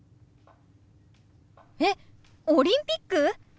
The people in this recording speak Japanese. えっオリンピック？